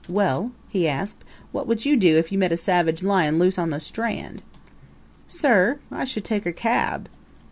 "Well," he asked, "what would you do if you met a savage lion loose on the Strand?" "Sir, I should take a cab!"